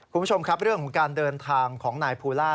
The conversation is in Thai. คุณผู้ชมครับเรื่องของการเดินทางของนายภูล่า